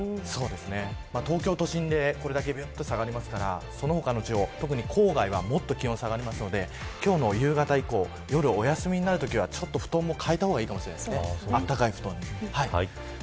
東京都心でこれだけ下がりますからその他の地方、特に郊外はもっと気温が下がりますので今日の夕方以降夜お休みになるときは布団を変えた方がいいかもしれませんあったかい布団に。